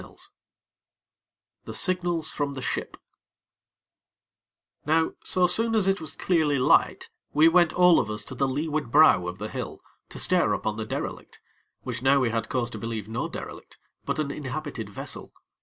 XI The Signals from the Ship Now so soon as it was clearly light, we went all of us to the leeward brow of the hill to stare upon the derelict, which now we had cause to believe no derelict, but an inhabited vessel.